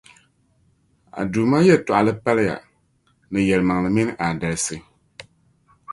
A Duuma yεltɔɣali paliya ni yεlimaŋli mini aadalsi.